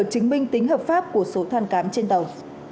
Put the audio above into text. chứng minh tính hợp pháp của số than cám trên tàu